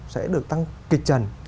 sẽ được tăng kịch trần